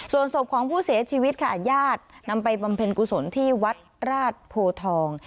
ส่วนศพของผู้เสียชีวิตค่ะญาตินำไปบำเพ็ญกุศลที่วัดราชโพทอง